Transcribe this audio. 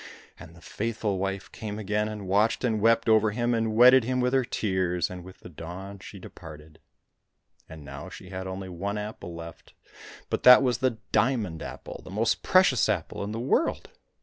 And the faithful wife came again, and watched and wept over him and wetted him with her tears, and with the dawn she departed. And now she had only one apple left, but that was the diamond apple, the most precious apple in the world.